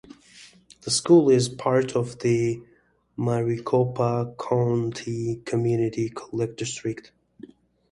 The school is part of the Maricopa County Community College District.